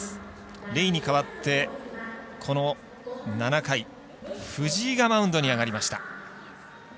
レイに代わってこの７回、藤井がマウンドに上がりました。